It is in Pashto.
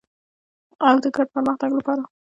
او د ګډ پرمختګ لپاره.